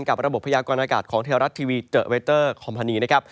ระบบพยากรณากาศของเทวรัฐทีวีเจอร์เวเตอร์คอมพานีนะครับ